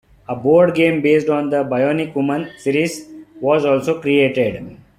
A board game based on "The Bionic Woman" series was also created.